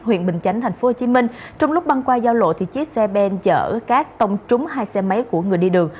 huyện bình chánh tp hcm trong lúc băng qua giao lộ thì chiếc xe ben chở cát tông trúng hai xe máy của người đi đường